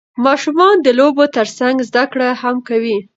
ماشومان د لوبو ترڅنګ زده کړه هم کوي